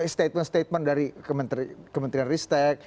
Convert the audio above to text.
statement statement dari kementerian ristek